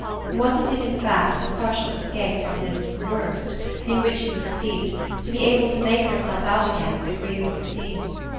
Wasn't it in fact the partial escape from this "worst" in which she was steeped to be able to make herself out again as agreeable to see?